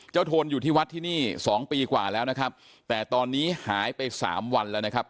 โทนอยู่ที่วัดที่นี่สองปีกว่าแล้วนะครับแต่ตอนนี้หายไปสามวันแล้วนะครับ